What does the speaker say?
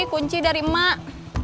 kunci dari emak